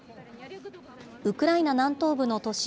ウクライナ南東部の都市